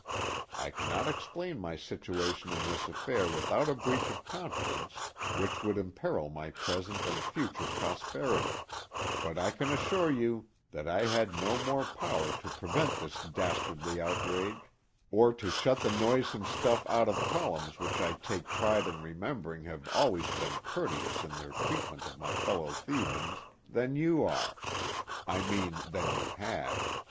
I cannot explain my situation in this affair without a breach of confidence which would imperil my present and future prosperity; but I can assure you that I had no more power to prevent this dastardly outrage, or to shut the noisome stuff out of columns which I take pride in remembering have always been courteous in their treatment of my fellow Thebans, than you are I mean than you had.